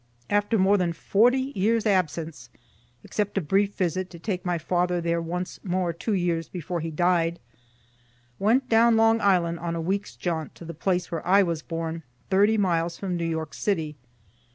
After more than forty years' absence, (except a brief visit, to take my father there once more, two years before he died,) went down Long Island on a week' s jaunt to the place where I was born, thirty miles from New York city.